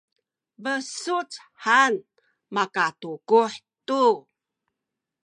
besuc han makatukuh tu